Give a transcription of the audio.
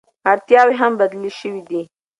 اړتیاوې هم بدلې شوې دي.